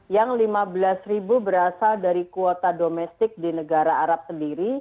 yang lima belas ribu berasal dari kuota domestik di negara arab sendiri